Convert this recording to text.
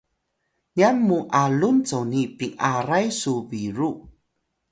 nyan mu alun coni pin’aray su biru